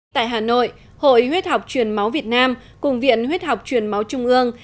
tại hà nội hội huyết học truyền máu việt nam cùng viện huyết học truyền máu trung ương